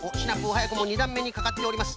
はやくも２だんめにかかっております。